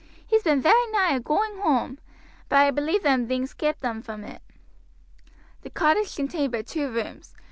He's been very nigh agooing whoam, but I believe them things kept un from it." The cottage contained but two rooms.